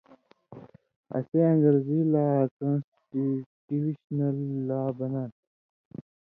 اسے اَن٘گرزی لا کانسٹِٹیوشنل لاء بناں تھہ۔